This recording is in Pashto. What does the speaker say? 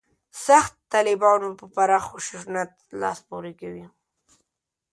«سخت طالبانو» په پراخ خشونت لاس پورې کوي.